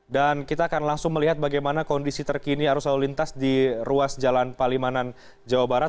dan kita akan langsung melihat bagaimana kondisi terkini harus lalu lintas di ruas jalan palimanan jawa barat